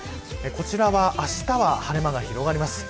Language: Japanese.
こちらはあしたは晴れ間が広がります。